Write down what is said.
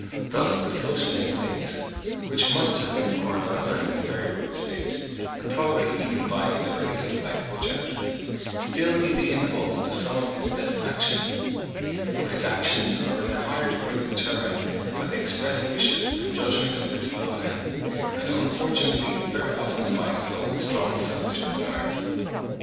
Thus the social instincts, which must have been acquired by man in a very rude state, and probably even by his early ape like progenitors, still give the impulse to some of his best actions; but his actions are in a higher degree determined by the expressed wishes and judgment of his fellow men, and unfortunately very often by his own strong selfish desires.